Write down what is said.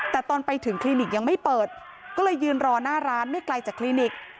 แต่ตอนไปถึงคลินิกยังไม่เปิดก็เลยยืนรอหน้าร้านไม่ไกลจากคลินิก